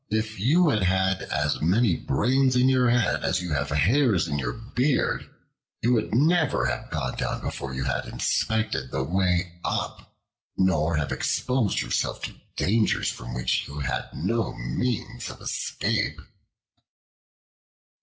If you had as many brains in your head as you have hairs in your beard, you would never have gone down before you had inspected the way up, nor have exposed yourself to dangers from which you had no means of escape."